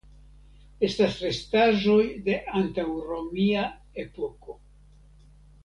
Estas restaĵoj de antaŭromia epoko.